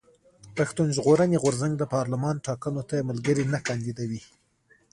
پښتون ژغورني غورځنګ د پارلېمان ټاکنو ته ملګري نه کانديدوي.